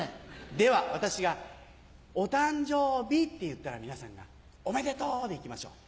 では私が「お誕生日」って言ったら皆さんが「おめでとう」でいきましょう。